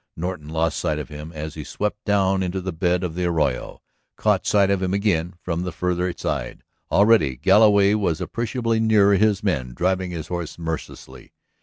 Norton lost sight of him as he swept down into the bed of the arroyo, caught sight of him again from the farther side. Already Galloway was appreciably nearer his men, driving his horse mercilessly.